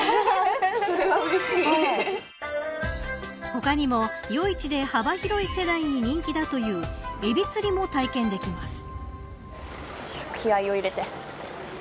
他にも夜市で幅広い世代に人気だというエビ釣りも体験できます。